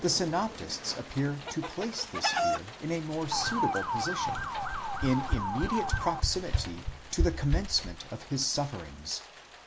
648 synoptists appear to place this fear in a more suitable position, in immediate proximity to the commencement of his sufferings.